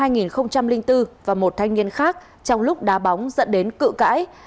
nguyễn quốc phú sinh năm hai nghìn bốn và một thanh niên khác trong lúc đá bóng dẫn đến cự cãi